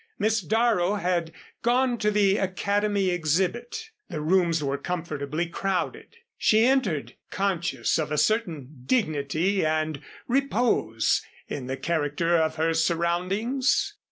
Miss Darrow had gone to the Academy Exhibit. The rooms were comfortably crowded. She entered conscious of a certain dignity and repose in the character of her surroundings.